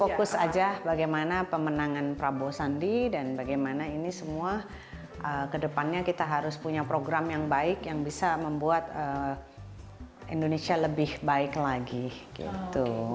fokus aja bagaimana pemenangan prabowo sandi dan bagaimana ini semua kedepannya kita harus punya program yang baik yang bisa membuat indonesia lebih baik lagi gitu